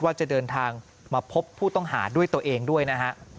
ว่าจะเดินทางมาพบผู้ต้องหาด้วยตัวเองด้วยนะฮะ